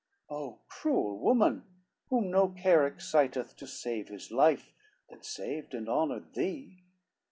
Oh cruel woman, whom no care exciteth To save his life, that saved and honored thee!